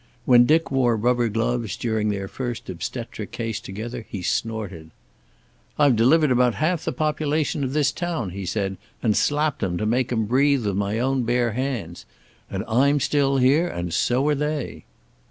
When Dick wore rubber gloves during their first obstetric case together he snorted. "I've delivered about half the population of this town," he said, "and slapped 'em to make 'em breathe with my own bare hands. And I'm still here and so are they."